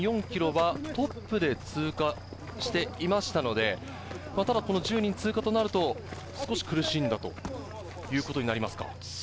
早稲田大学、１７．４ｋｍはトップで通過していましたので、１０人通過となると少し苦しんだということになりますか？